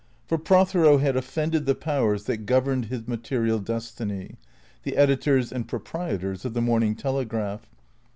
For Prothero had offended the powers that governed his material destiny, the editors and proprietors of the " Morning Telegraph."